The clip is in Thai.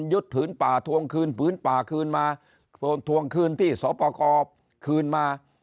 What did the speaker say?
ยึดผืนป่าทวงคืนผืนป่าคืนมาทวงคืนที่สปกรคืนมา